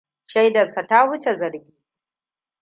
Shaidarsa ta huce zargi.